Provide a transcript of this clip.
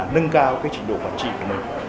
nâng cao trị độ phản trị của mình